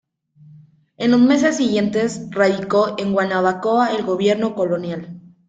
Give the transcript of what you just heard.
En los meses siguientes radicó en Guanabacoa el Gobierno Colonial.